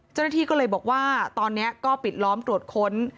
เจ้าหน้าที่ก็เลยบอกว่าตอนนี้ก็ปิดล้อมตรวจค้น